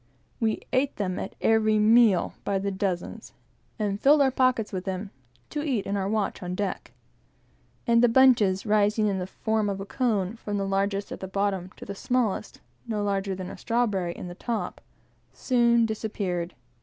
We ate them at every meal, by the dozen; and filled our pockets with them, to eat in our watch on deck; and the bunches, rising in the form of a cone, from the largest at the bottom, to the smallest, no larger than a strawberry, at the top, soon disappeared.